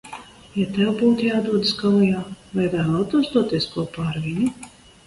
Ja tev būtu jādodas kaujā, vai vēlētos doties kopā ar viņu?